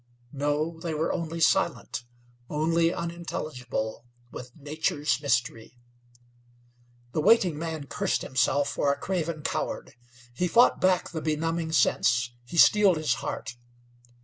No; they were only silent, only unintelligible with nature's mystery. The waiting man cursed himself for a craven coward; he fought back the benumbing sense; he steeled his heart.